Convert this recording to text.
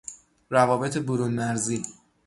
روابط برونمرزی